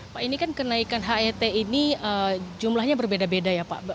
pak ini kan kenaikan het ini jumlahnya berbeda beda ya pak